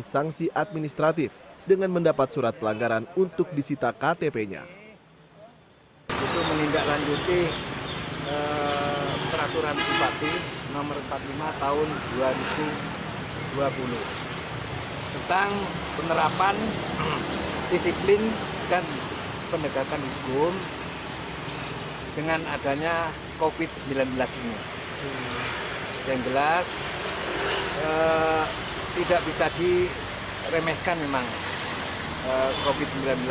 yang keempat tidak bisa diremehkan memang covid sembilan belas ini